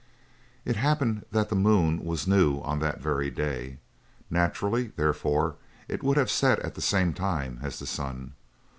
It happened that the moon was new on that very day; naturally, therefore, it would have set at the same time as the sun.